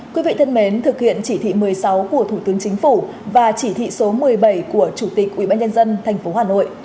quý vị thân mến thực hiện chỉ thị một mươi sáu của thủ tướng chính phủ và chỉ thị số một mươi bảy của chủ tịch ubnd tp hà nội